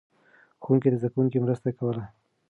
ښوونکي د زده کوونکو مرسته کوله.